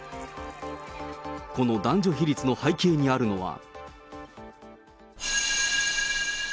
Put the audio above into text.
この男女比率の背景にあるのは。